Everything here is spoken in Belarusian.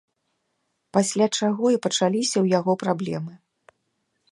Пасля чаго і пачаліся ў яго праблемы.